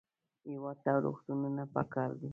هېواد ته روغتونونه پکار دي